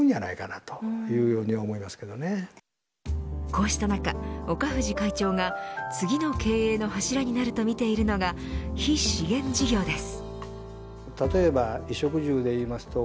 こうした中岡藤会長が、次の経営の柱になると見ているのが非資源事業です。